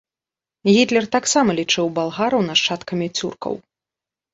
Гітлер таксама лічыў балгараў нашчадкамі цюркаў.